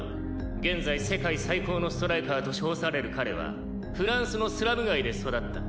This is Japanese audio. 現在世界最高のストライカーと称される彼はフランスのスラム街で育った。